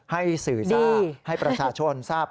ให้สื่อทราบให้ประชาชนทราบ